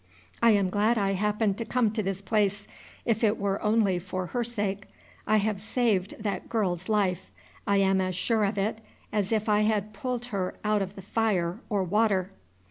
I am glad I happened to come to this place, if it were only for her sake. I have saved that girl's life; I am as sure of it as if I had pulled her out of the fire or water.